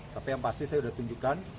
tapi yang pasti saya sudah tunjukkan